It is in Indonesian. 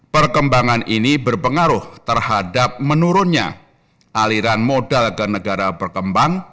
perkembangan ini berpengaruh terhadap menurunnya aliran modal ke negara berkembang